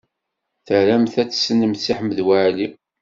Tramt ad tessnemt Si Ḥmed Waɛli?